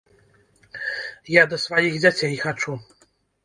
Я да сваіх дзяцей хачу.